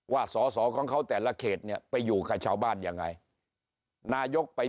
ว่าสอสอของเขาแต่ละเขตเนี่ยไปอยู่กับชาวบ้านยังไงนายกไป